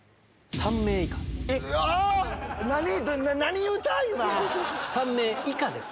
３名以下です。